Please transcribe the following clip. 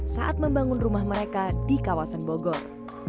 saat membangun rumah mereka di kawasan bogor